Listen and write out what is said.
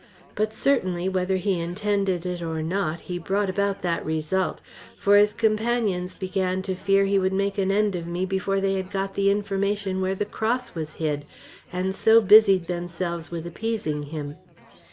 But certainly, whether he intended it or not, he brought about that result; for his companions began to fear he would make an end of me before they had got the information where the cross was hid, and so busied themselves with appeasing him.